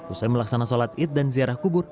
usai melaksanakan sholat id dan ziarah kubur